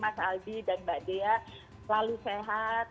mas aldi dan mbak dea selalu sehat